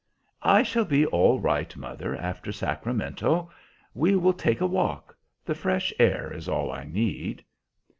"I shall be all right, mother, after Sacramento. We will take a walk. The fresh air is all I need."